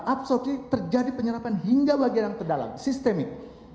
absorpsi terjadi penyerapan hingga bagian yang terdalam sistemik